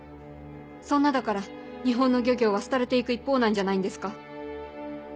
そんなだから日本の漁業は廃れて行く一方なんじゃないんですか。